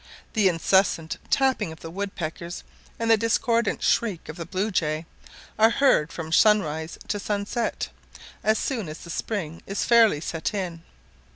The incessant tapping of the woodpeckers, and the discordant shriek of the blue jay, are heard from sunrise to sunset, as soon as the spring is fairly set in.